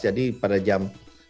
jadi pada jam